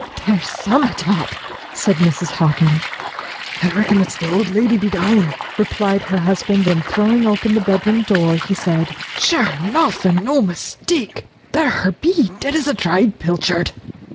"There's some'ut up," said Mrs. Hockin. "I reckon it's the old lady be down," replied her husband, and, throwing open the bedroom door, he said: "Sure enough, and no mistake there her be, dead as a dried pilchard."